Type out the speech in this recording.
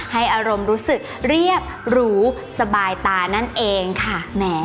ให้อารมณ์รู้สึกเรียบหรูสบายตานั่นเองค่ะแหม